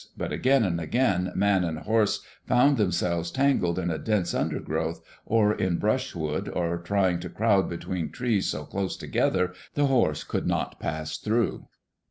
But again and again man and horse found themselves tangled in a dense undergrowth, or in brushwood, or trying to crowd between trees so close together the horse could not pass through.